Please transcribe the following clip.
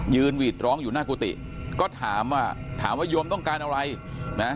หวีดร้องอยู่หน้ากุฏิก็ถามว่าโยมต้องการอะไรนะ